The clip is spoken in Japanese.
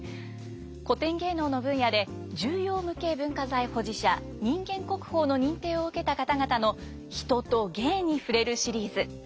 古典芸能の分野で重要無形文化財保持者人間国宝の認定を受けた方々の「人と芸」に触れるシリーズ。